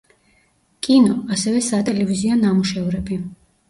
კინო, ასევე სატელევიზიო ნამუშევრები.